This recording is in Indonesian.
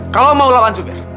kalau mau lawan super